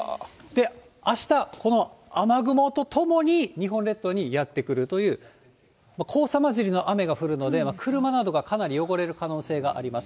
あした、この雨雲とともに日本列島にやって来るという、黄砂混じりの雨が降るので、車などがかなり汚れる可能性があります。